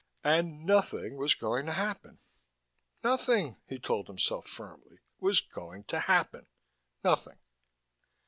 (And nothing was going to happen. Nothing, he told himself firmly, was going to happen. Nothing.)